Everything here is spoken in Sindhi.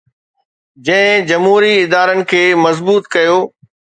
جنهن جمهوري ادارن کي مضبوط ڪيو